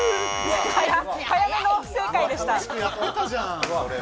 早めの不正解でした。